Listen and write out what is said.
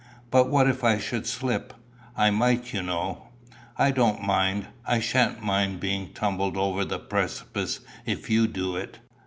"But what if I should slip? I might, you know." "I don't mind. I sha'n't mind being tumbled over the precipice, if you do it.